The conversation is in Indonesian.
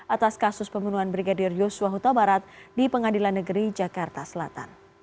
atas kasus pembunuhan brigadir yosua huta barat di pengadilan negeri jakarta selatan